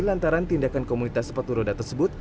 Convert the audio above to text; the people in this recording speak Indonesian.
lantaran tindakan komunitas sepatu roda tersebut